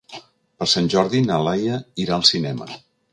Per Sant Jordi na Laia irà al cinema.